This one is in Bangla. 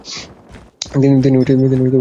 তিনি ভারতবর্ষ ত্যাগ করেন।